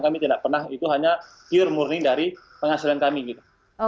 kami tidak pernah itu hanya pure murning dari penghasilan kami gitu